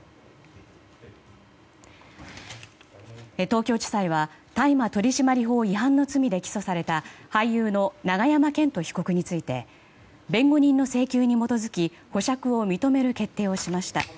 東京地裁は大麻取締法違反の罪で起訴された俳優の永山絢斗被告について弁護人の請求に基づき保釈を認める決定をしました。